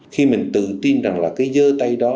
khi mình tự tin rằng là cái dơ tay đó